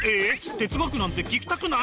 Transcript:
哲学なんて聞きたくない？